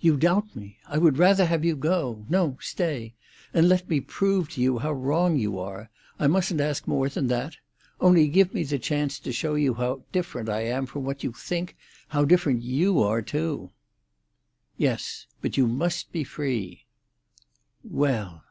"You doubt me! I would rather have you go! No; stay. And let me prove to you how wrong you are. I mustn't ask more than that. Only give me the chance to show you how different I am from what you think—how different you are, too." "Yes. But you must be free." "Well."